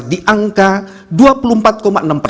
di angka dua puluh empat komitmen